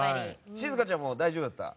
しずかちゃんも大丈夫だった？